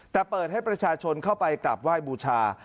แต่เปิดให้ประชาชนเข้าไปกลับไหว้บูชา